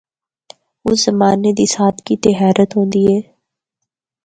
اس زمانے دی سادگی تے حیرت ہوندی اے۔